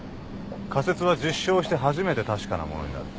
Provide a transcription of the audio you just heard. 仮説は実証して初めて確かなものになる。